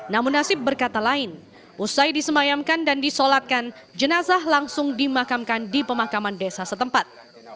namun nasib berkata lain usai disemayamkan dan disolatkan jenazah langsung dimakamkan di pemakaman desa setempat